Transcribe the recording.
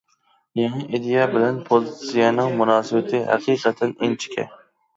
يېڭى ئىدىيە بىلەن پوزىتسىيەنىڭ مۇناسىۋىتى ھەقىقەتەن ئىنچىكە.